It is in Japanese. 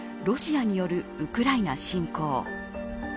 ロシアによるウクライナ侵攻。